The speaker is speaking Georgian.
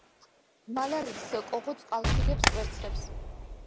მალარიის კოღო წყალში დებს კვერცხებს.